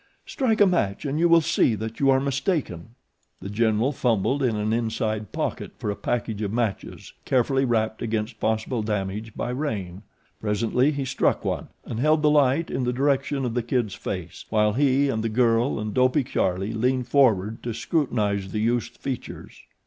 Strike a match and you will see that you are mistaken." The General fumbled in an inside pocket for a package of matches carefully wrapped against possible damage by rain. Presently he struck one and held the light in the direction of The Kid's face while he and the girl and Dopey Charlie leaned forward to scrutinize the youth's features.